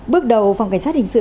bước đầu phòng cảnh sát hình sự